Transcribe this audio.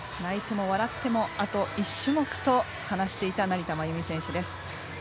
泣いても笑ってもあと１種目と話していた成田真由美選手です。